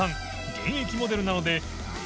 現役モデルなので瓮ぅ